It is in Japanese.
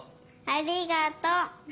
ありがとう。